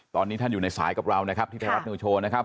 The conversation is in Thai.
ตอนนี้ท่านอยู่ในสายกับเรานะครับที่ไทยรัฐนิวโชว์นะครับ